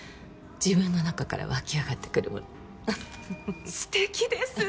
自分の中から湧き上がってくるものウッフフ素敵ですー